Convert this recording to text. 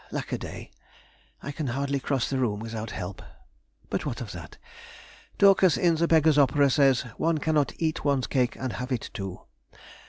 —lack a day!—I can hardly cross the room without help. But what of that? Dorcas, in the Beggar's Opera, says, "One cannot eat one's cake and have it too!"...